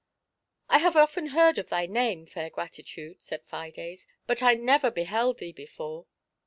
" I have often heard of thy name, Fair Gratitude," said Fides, " but I never beheld thee before."